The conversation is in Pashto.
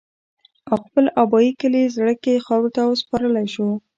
او خپل ابائي کلي زَړَه کښې خاورو ته اوسپارلے شو